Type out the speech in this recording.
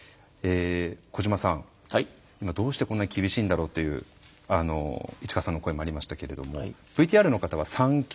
小島さん、どうしてこんなに厳しいんだろうという市川さんの声もありましたけどもＶＴＲの方は３級。